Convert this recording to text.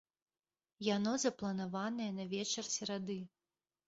Яно запланаванае на вечар серады.